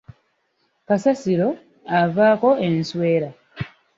Kasasiro avaako enswera.